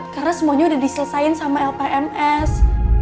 karena semuanya udah diselesain sama lpms